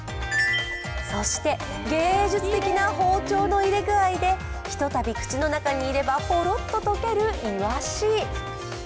そして芸術的な包丁の入れ具合で、ひとたび口の中に入れればほろっと溶けるいわし。